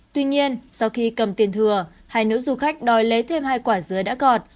tuy nhiên sau khi cầm tiền thừa hai nữ du khách đòi lấy thêm hai quả dứa đã gọt